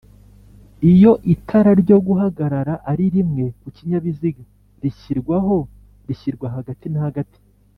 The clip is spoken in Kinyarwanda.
iyo itara ryo guhagarara ari rimwe kukinyabiziga rishyirwaho?rishyirwa hagati na hagati